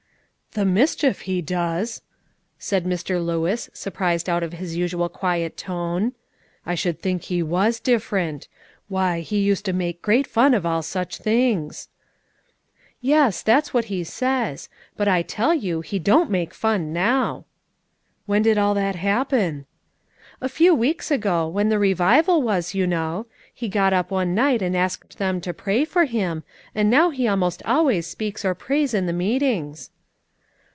"The mischief he does!" said Mr. Lewis, surprised out of his usual quiet tone. "I should think he was different. Why, he used to make great fun of all such things." "Yes, that's what he says; but I tell you he don't make fun now." "When did all that happen?" "A few weeks ago, when the revival was, you know. He got up one night and asked them to pray for him, and now he almost always speaks or prays in the meetings."